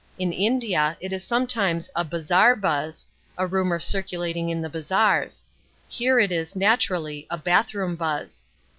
In India it is sometimes "a bazaar buzz" (a rumour circulating in the bazaars); here it is, naturally, a bathroom buzz.